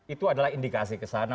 itu adalah indikasi kesana